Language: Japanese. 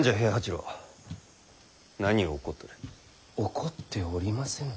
怒っておりませぬ。